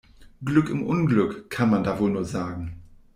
Glück im Unglück, kann man da wohl nur sagen.